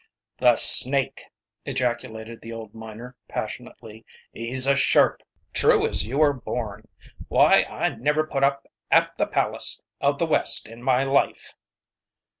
"The snake!" ejaculated the old miner passionately. "He's a sharp, true as you are born! Why, I never put up at the Palace of the West in my life."